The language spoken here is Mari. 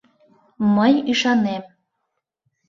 Мый ӱшанем.